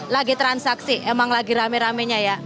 lagi transaksi emang lagi rame ramenya ya